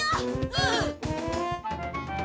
うん！